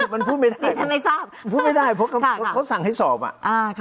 มันพูดไม่ได้ทำไมทราบพูดไม่ได้เพราะเขาสั่งให้สอบอ่ะอ่าค่ะ